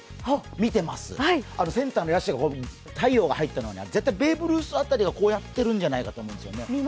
見てます、センターの野手に太陽が入ったのは絶対ベーブ・ルース辺りがこうやっているんじゃないかなと思うんですね。